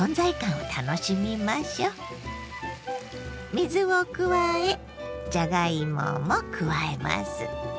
水を加えじゃがいもも加えます。